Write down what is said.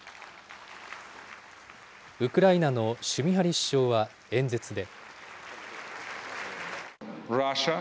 ウクライナのシュミハリ首相は演説で。